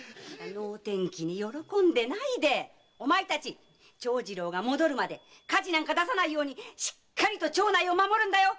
喜んでないでお前たち長次郎が戻るまで火事を出さないようにしっかり町内を守るんだよ！